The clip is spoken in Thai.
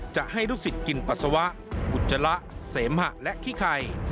จะให้ลูกศิษย์กินปัสสาวะอุจจาระเสมหะและขี้ไข่